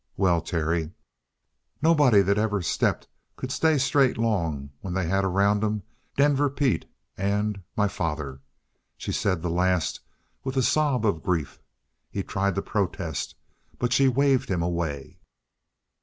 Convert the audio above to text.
Well, Terry, nobody that ever stepped could stay straight long when they had around 'em Denver Pete and my father." She said the last with a sob of grief. He tried to protest, but she waved him away.